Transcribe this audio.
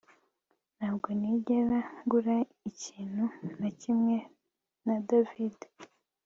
Ntabwo nigera ngura ikintu na kimwe na David